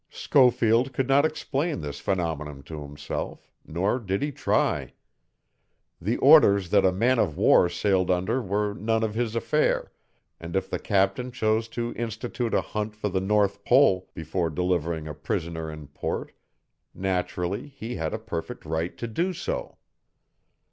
Schofield could not explain this phenomenon to himself, nor did he try. The orders that a man of war sailed under were none of his affair, and if the captain chose to institute a hunt for the north pole before delivering a prisoner in port, naturally he had a perfect right to do so.